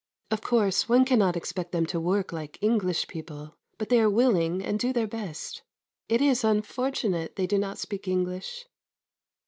Of course, one cannot expect them to work like English people, but they are willing and do their best. It is unfortunate they do not speak English.